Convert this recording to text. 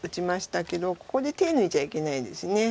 ここで手抜いちゃいけないです。